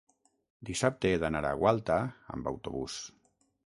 dissabte he d'anar a Gualta amb autobús.